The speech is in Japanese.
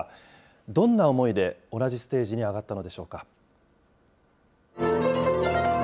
どんな思いで同じステージに上がったのでしょうか。